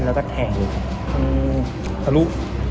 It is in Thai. แล้วปามันดินแล้วก็แถ่